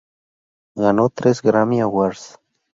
Ganó tres Grammy Awards.